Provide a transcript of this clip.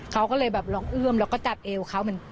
เขาก็เลยแบบลองเอื้อมแล้วก็จับเอวเขาเหมือน